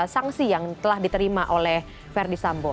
sanksi yang telah diterima oleh verdi sambo